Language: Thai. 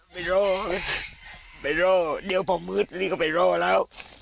ไม่รอไม่รอเดี๋ยวพอมืดนี่ก็ไปรอแล้ว